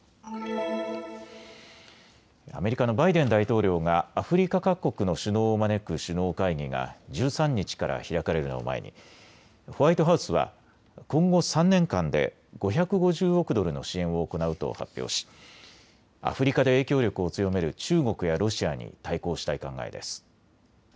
アメリカのバイデン大統領がアフリカ各国の首脳を招く首脳会議が１３日から開かれるのを前にホワイトハウスは今後３年間で５５０億ドルの支援を行うと発表し、アフリカで影響力を強める中国やロシアに対抗したい考えです。